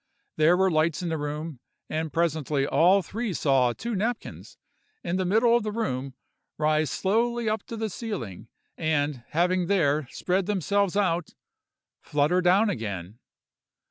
There were lights in the room, and presently all three saw two napkins, in the middle of the room, rise slowly up to the ceiling, and, having there spread themselves out, flutter down again.